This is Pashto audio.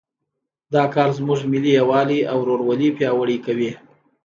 دا کار زموږ ملي یووالی او ورورولي پیاوړی کوي